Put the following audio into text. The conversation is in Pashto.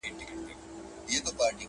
د هیڅ شي یې کمی نه وو په بدن کي!